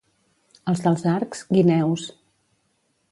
Els dels Arcs, guineus.